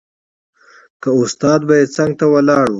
که استاد به يې څنګ ته ولاړ و.